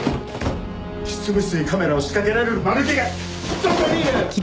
執務室にカメラを仕掛けられる間抜けがどこにいる！